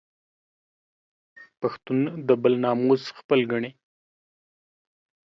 پښتون د بل ناموس خپل ګڼي